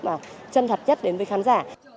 mà chân thật nhất đến với khán giả